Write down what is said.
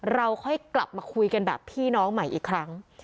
เราค่อยกลับมาคุยกันแบบพี่น้องใหม่อีกครั้ง